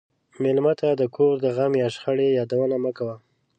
مېلمه ته د کور د غم یا شخړې یادونه مه کوه.